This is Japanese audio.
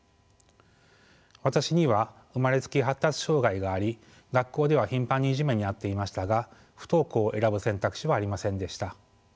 私には生まれつき発達障害があり学校では頻繁にいじめに遭っていましたが不登校を選ぶ選択肢はありませんでした。